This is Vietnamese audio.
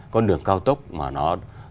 con đường cao tốc mà nó